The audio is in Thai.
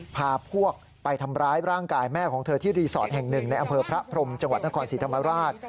พาพวกไปทำร้ายร่างกายแม่ของเธอที่รีสอร์ทแห่งหนึ่งในอำเภอพระพรมจังหวัดนครศรีธรรมราช